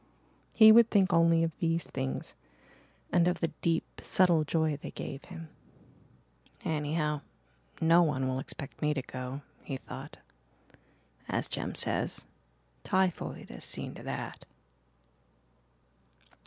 He would think only of these things and of the deep, subtle joy they gave him. "Anyhow, no one will expect me to go," he thought. "As Jem says, typhoid has seen to that."